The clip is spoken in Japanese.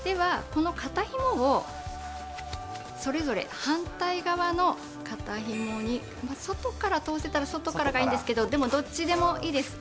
この肩ひもをそれぞれ反対側の肩ひもに外から通せたら外からがいいんですけどでもどっちでもいいです。